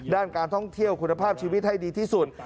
ด้านการท่องเที่ยวคุณภาพชีวิตให้ดีที่สุด